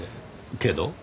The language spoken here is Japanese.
けど？